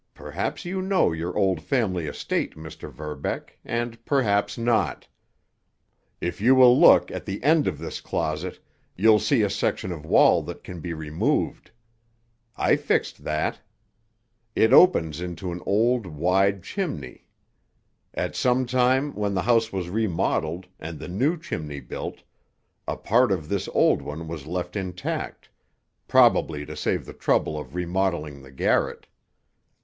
Perhaps you know your old family estate, Mr. Verbeck, and perhaps not. If you will look at the end of this closet you'll see a section of wall that can be removed. I fixed that. It opens into an old, wide chimney. At some time when the house was remodeled, and the new chimney built, a part of this old one was left intact, probably to save the trouble of remodeling the garret.